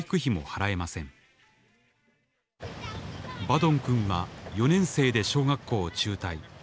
バドンくんは４年生で小学校を中退。